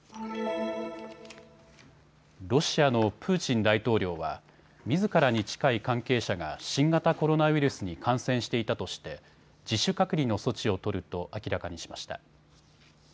ロシアのプーチン大統領はみずからに近い関係者が新型コロナウイルスに感染していたとして自主隔離の措置を取ると明らかにしました。